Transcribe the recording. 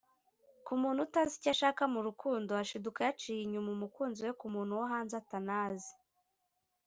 ku muntu utazi icyo ashaka mu rukundo ashiduka yaciye inyuma umukunzi we ku muntu wo hanze atanazi